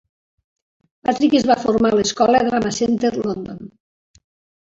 Patrick es va formar a l'escola Drama Centre London.